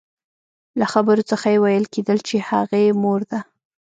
له خبرو څخه يې ويل کېدل چې هغې مور ده.